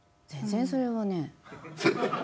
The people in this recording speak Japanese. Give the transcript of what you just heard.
全然それはね。